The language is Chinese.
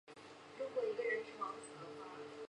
二色桌片参为瓜参科桌片参属的动物。